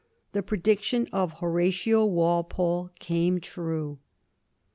The prediction of Horatio Walpole came true.